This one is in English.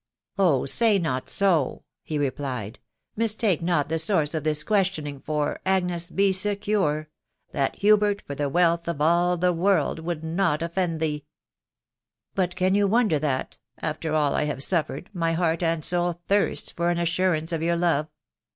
...." Oh, say not so !" he replied ; €t mistake not the source of this questioning ; for, Agnes, be secure * That Hubert, for the wealth of all the world, Would not offend thee !' But can you wonder that, after all I have suffered, my heart and soul thirsts for an assurance of your love